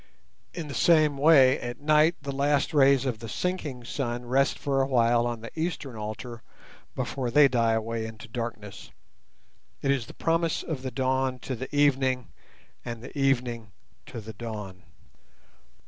In the same way at night the last rays of the sinking sun rest for a while on the eastern altar before they die away into darkness. It is the promise of the dawn to the evening and the evening to the dawn.